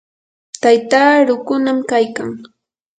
taytaa rukunam kaykan.